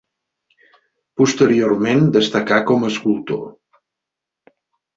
Posteriorment destacà com a escultor.